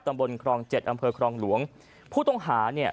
บนครองเจ็ดอำเภอครองหลวงผู้ต้องหาเนี่ย